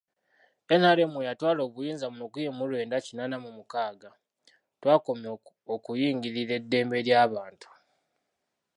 NRM bwe yatwala obuyinza mu lukumi mu lwenda kinaana mu mukaaga, twakomya okuyingirira eddembe ly'abantu.